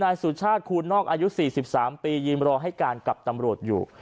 นายสุชาติคูณนอกอายุสี่สิบสามปียิมรอให้การกลับตำรวจอยู่